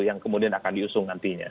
yang kemudian akan diusung nantinya